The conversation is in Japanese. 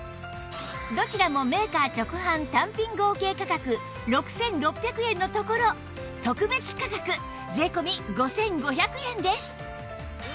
どちらもメーカー直販単品合計価格６６００円のところ特別価格税込５５００円です